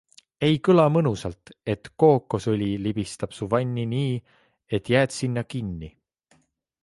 Ei kõla mõnusalt, et kookosõli libistab su vanni nii, et jääd sinna kinni...